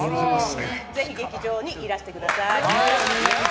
ぜひ、劇場にいらしてください。